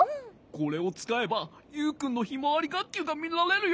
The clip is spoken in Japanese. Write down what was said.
これをつかえばユウくんのひまわりがっきゅうがみられるよ。